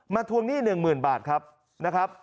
ทวงหนี้๑๐๐๐บาทครับนะครับ